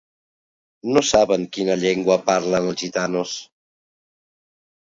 No saben quina llengua parlen els gitanos.